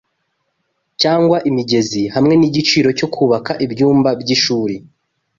cyangwa imigezi hamwe nigiciro cyo kubaka ibyumba byishuri